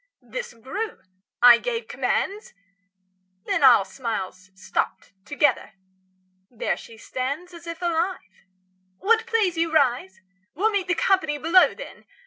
This grew; I gave commands; Then all smiles stopped together.° There she stands °46 As if alive. Will't please you rise? We'll meet The company below, then.